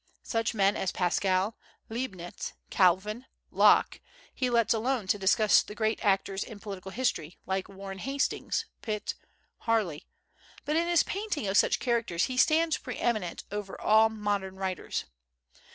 Such men as Pascal, Leibnitz, Calvin, Locke, he lets alone to discuss the great actors in political history, like Warren Hastings, Pitt, Harley; but in his painting of such characters he stands pre eminent over all modern writers.